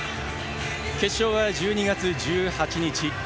決勝は１２月１８日。